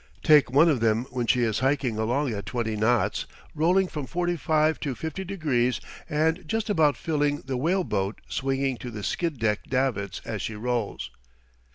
Take one of them when she is hiking along at 20 knots, rolling from 45 to 50 degrees, and just about filling the whale boat swinging to the skid deck davits as she rolls!